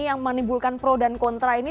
yang menimbulkan pro dan kontra ini